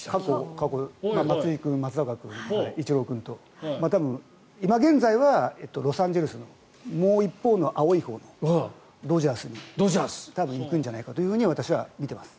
過去松井君、松坂君、イチロー君と多分、今現在はロサンゼルスのもう一方の青いほうのドジャースに多分行くんじゃないかと私は見ています。